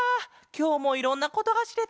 きょうもいろんなことがしれた！